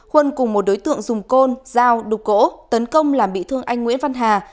huân cùng một đối tượng dùng côn dao đục gỗ tấn công làm bị thương anh nguyễn văn hà